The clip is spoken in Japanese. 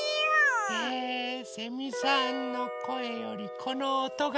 えセミさんのこえよりこのおとがすき。